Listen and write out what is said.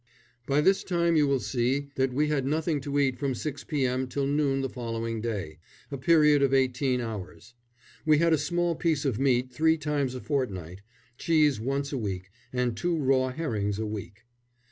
By this you will see that we had nothing to eat from 6 p.m. till noon the following day a period of eighteen hours. We had a small piece of meat three times a fortnight, cheese once a week, and two raw herrings a week.